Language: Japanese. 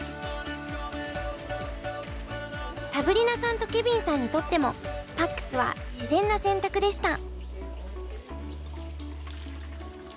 サブリナさんとケビンさんにとってもＰＡＣＳは自然な選択でした。